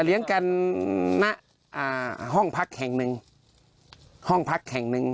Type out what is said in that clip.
เลี้ยงกันณอ่าห้องพักแห่งหนึ่งห้องพักแห่งหนึ่ง